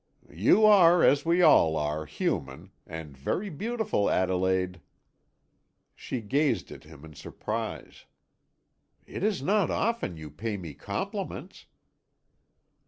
"You are, as we all are, human; and very beautiful, Adelaide." She gazed at him in surprise. "It is not often you pay me compliments."